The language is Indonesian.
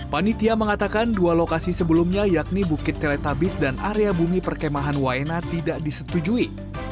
panitia mengatakan dua lokasi sebelumnya yakni bukit teletabis dan area bumi perkemahan waena tidak disetujui